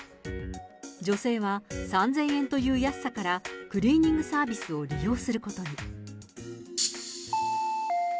女性は３０００円という安さから、クリーニングサービスを利用することに。